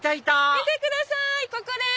見てくださいここです！